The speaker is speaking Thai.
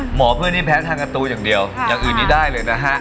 หมอเพื่อนนี้แพ้ทางการ์ตูอย่างเดียวอย่างอื่นนี้ได้เลยนะฮะ